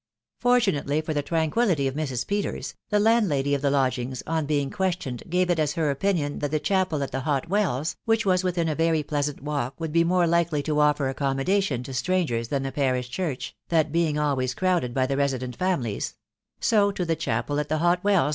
Fortunately for the tranquility? of Mrs. Peters, tm* landlady of the lodgings, on being questioned, gat* it as her opimion that the chapel at the Hot Wells, which w aw within, a very pleasant waft, vaonid be more likely to oAr accoatmodatioa to stranger* than the parish church, that being always crowded by the resident ' families; so to the chapel at the Hot Welle Mrsj.